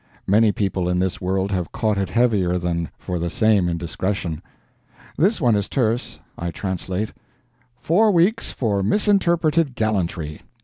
Many people in this world have caught it heavier than for the same indiscretion. This one is terse. I translate: "Four weeks for MISINTERPRETED GALLANTRY."